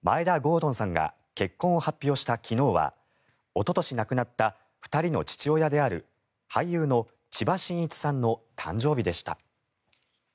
敦さんが結婚を発表した昨日はおととし亡くなった２人の父親である俳優の千葉真一さんの誕生日でした。